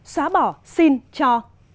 xóa bỏ xin cho